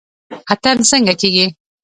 اتن څنګه کیږي؟